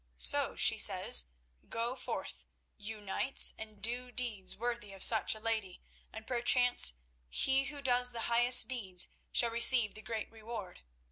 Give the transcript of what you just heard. So she says, 'Go forth, you knights, and do deeds worthy of such a lady, and perchance he who does the highest deeds shall receive the great reward.